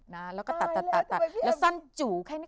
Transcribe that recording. แล้วสั้นจู่แค่นี้